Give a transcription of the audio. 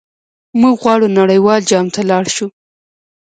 موږ غواړو نړیوال جام ته لاړ شو.